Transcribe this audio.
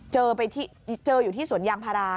ไปเจออยู่ที่สวนยางพารา